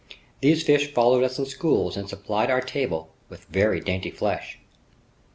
These fish followed us in schools and supplied our table with very dainty flesh.